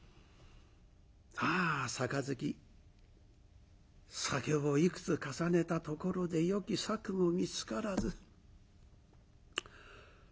ああ杯酒をいくつ重ねたところでよき策も見つからず。